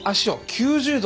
９０度。